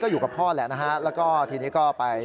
อยู่กับพ่อแหละนะฮะแล้วก็ทีนี้ก็ไป